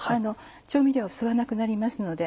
調味料を吸わなくなりますので。